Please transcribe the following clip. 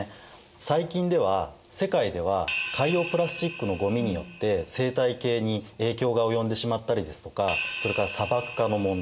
最近では世界では海洋プラスチックのゴミによって生態系に影響が及んでしまったりですとかそれから砂漠化の問題